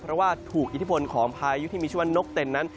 เพราะว่าถูกอิทธิพลของพายุที่มีชื่อว่านกเต็นนั้น